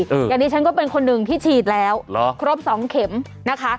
อย่างนี้ฉันก็เป็นคนหนึ่งที่ฉีดแล้วเหรอครบสองเข็มนะคะ